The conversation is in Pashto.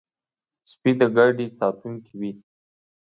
سپي د ګاډي ساتونکي وي.